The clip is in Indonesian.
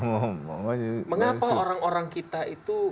mengapa orang orang kita itu